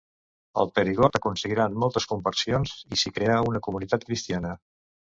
Al Perigord aconseguiran moltes conversions i s'hi creà una comunitat cristiana.